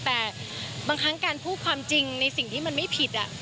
แต่บางครั้งการพูดความจริงในสิ่งที่มันไม่ผิด